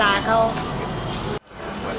สวัสดีครับทุกคน